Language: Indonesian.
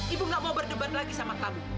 ibu gak mau berdebar lagi sama kamu